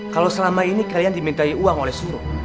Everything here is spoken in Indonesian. kalau selama ini kalian dimintai uang oleh suruh